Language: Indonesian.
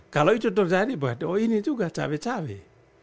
kalau itu terjadi berarti oh ini juga cabai cabai